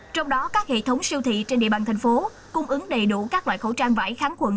trong đó các hệ thống siêu thị trên địa bàn thành phố cung ứng đầy đủ các loại khẩu trang vải kháng khuẩn